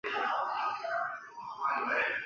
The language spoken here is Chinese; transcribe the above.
工厂也扩建了几次。